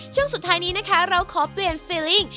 ช่วงสุดท้ายนี้นะคะเราขอเปลี่ยนฟีลิ่ง